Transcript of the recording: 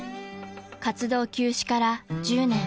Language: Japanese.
［活動休止から１０年］